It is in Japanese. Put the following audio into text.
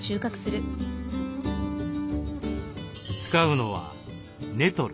使うのは「ネトル」。